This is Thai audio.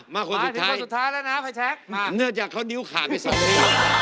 มาคนสุดท้ายเนื้อจากเขานิ้วขาดไป๒นิ้วมาคนสุดท้ายเนื้อจากเขานิ้วขาดไป๒นิ้ว